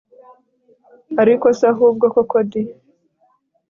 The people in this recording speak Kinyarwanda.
ariko se ahubwo koko di!